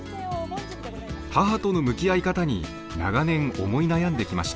母との向き合い方に長年思い悩んできました。